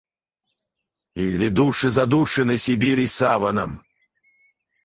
Или души задушены Сибирей саваном?